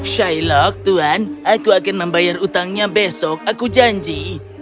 shailok tuhan aku akan membayar utangnya besok aku janji